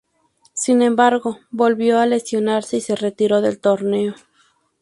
Sin embargo, volvió a lesionarse y se retiró del torneo.